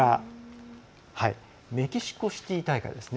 メキシコシティー大会ですね。